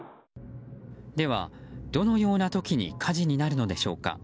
では、どのような時に火事になるのでしょうか。